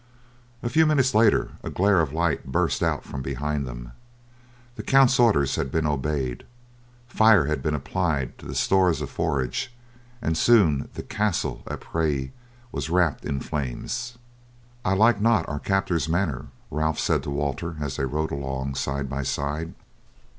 A few minutes later a glare of light burst out from behind them. The count's orders had been obeyed; fire had been applied to the stores of forage, and soon the castle of Pres was wrapped in flames. "I like not our captor's manner," Ralph said to Walter as they rode along side by side.